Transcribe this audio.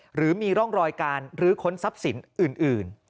หรือมีร่องรอยการรื้อค้นทรัพย์สินอื่น